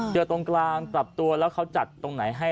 เจอตรงกลางกลับตัวแล้วเขาจัดตรงไหนให้